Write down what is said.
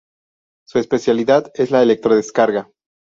Su especialidad es la electro-descarga.